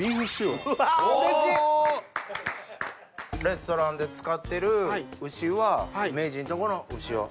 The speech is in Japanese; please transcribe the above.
レストランで使ってる牛は。